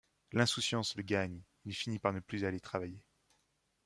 L'insouciance le gagne, il finit par ne plus aller travailler.